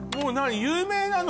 有名なの？